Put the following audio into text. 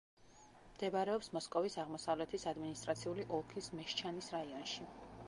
მდებარეობს მოსკოვის აღმოსავლეთის ადმინისტრაციული ოლქის მეშჩანის რაიონში.